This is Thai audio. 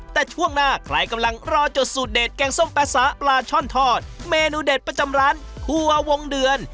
แต่ช่วงหน้าใครกำลังรอจดสูตรเด็ดแกงส้มปลาสาปลาช่อนทอดเมนูเด็ดประจำร้านครัววงเดือน